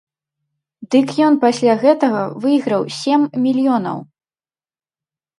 Дык ён пасля гэтага выйграў сем мільёнаў!